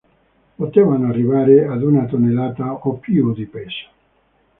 Potevano arrivare ad una tonnellata o più di peso.